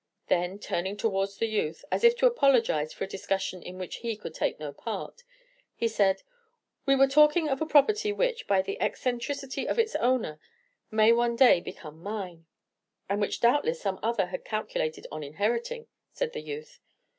Then, turning towards the youth, as if to apologize for a discussion in which he could take no part, he said, "We were talking of a property which, by the eccentricity of its owner, may one day become mine." "And which doubtless some other had calculated on inheriting," said the youth.